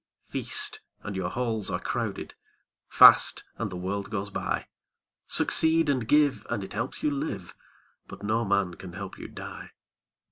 Feast, and your halls are crowded; Fast, and the world goes by. Succeed and give, and it helps you live, But no man can help you die.